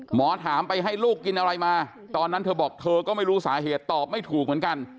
หมอถามไปให้ลูกกินอะไรมาตอนนั้นเธอบอกเธอก็ไม่รู้สาเหตุตอบไม่ถูกเหมือนกัน